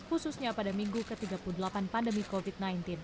khususnya pada minggu ke tiga puluh delapan pandemi covid sembilan belas